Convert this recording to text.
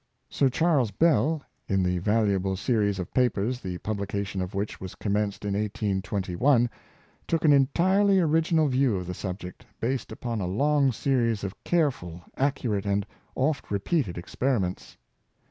Sir Charles Bell, in the valuable series of papers the pub^ lication of which was commenced in 1821, took an en tirely original view of the subject, based upon a long series of careful, accurate, and oft repeated experiments.